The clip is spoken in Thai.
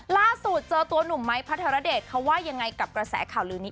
ล่าสุดเจอตัวหนุ่มไม้พระธรเดชเขาว่ายังไงกับกระแสข่าวลือนี้